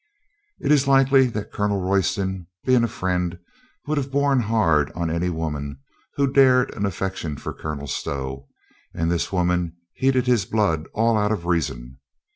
It is likely that Colonel Royston, being a friend, would have borne hard on any woman who dared an affection for Colonel Stow, and this woman heated his blood all out of reason.